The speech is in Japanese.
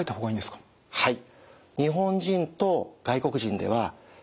はい。